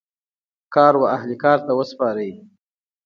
کار و اهل کار ته وسپارئ